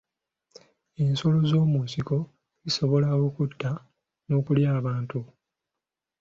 Ensolo z'omu nsiko zisobola okutta n'okulya abantu.